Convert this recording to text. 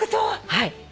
はい。